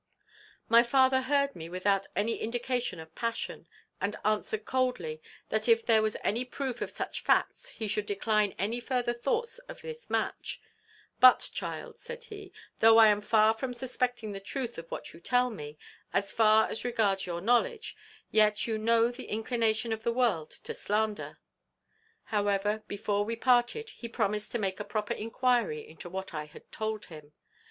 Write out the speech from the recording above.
"My father heard me without any indication of passion, and answered coldly, that if there was any proof of such facts he should decline any further thoughts of this match: 'But, child,' said he, 'though I am far from suspecting the truth of what you tell me, as far as regards your knowledge, yet you know the inclination of the world to slander.' However, before we parted he promised to make a proper enquiry into what I had told him.